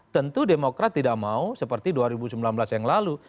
tentu demokrat tidak mau seperti dua ribu sembilan belas yang lalu